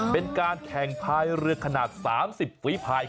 เป็นการแข่งพายเรือขนาด๓๐ฝีภาย